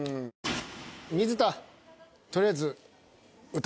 水田とりあえず。